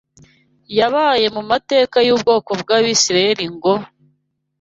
yabaye mu mateka y’ubwoko bw’Abisirayeli ngo: